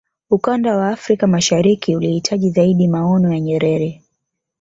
ukanda wa afrika mashariki ulihitaji zaidi maono ya nyerere